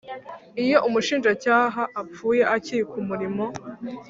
Iyo umushinjacyaha apfuye akiri ku murimo